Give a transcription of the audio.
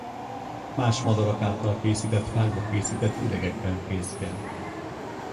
Más madarak által készített fákba készített üregekben fészkel.